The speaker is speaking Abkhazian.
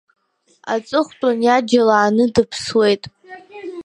Аҵыхәтәан иаџьал ааны дыԥсуеит.